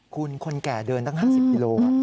คุณคนแก่เดินตั้ง๕๐กิโล